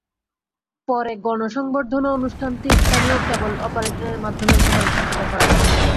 পরে গণসংবর্ধনা অনুষ্ঠানটি স্থানীয় কেবল অপারেটরের মাধ্যমে শহরে সম্প্রচার করা হয়।